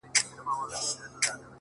پاگل لگیا دی نن و ټول محل ته رنگ ورکوي ـ